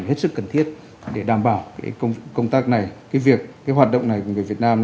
hết sức cần thiết để đảm bảo công tác này việc hoạt động này của người việt nam